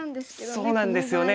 そうなんですよね。